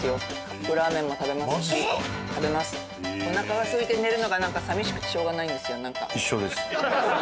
おなかがすいて寝るのがなんか寂しくてしょうがないんですよ。